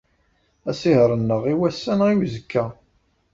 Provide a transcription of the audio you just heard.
Asihaṛ-nneɣ i wass-a neɣ i uzekka?